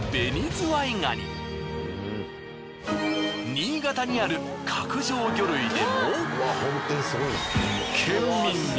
新潟にある角上魚類でも。